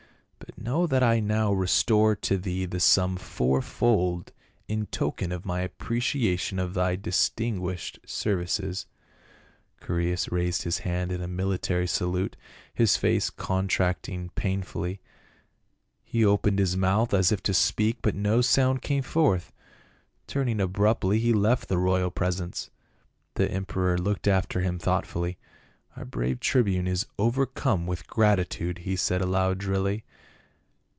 But know that I now restore to thee the sum fourfold, in token of my appreciation of thy distinguished ser vices." Chaereas raised his hand in a military salute, his face contracting painfully ; he opened his mouth as if to speak, but no sound came forth ; turning abruptly he left the royal presence. The emperor looked after him thoughtfully. " Our brave tribune is overcome with gratitude," he said aloud drily.